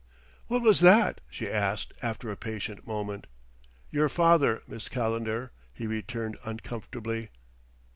"What was that?" she asked after a patient moment. "Your father, Miss Calendar," he returned uncomfortably.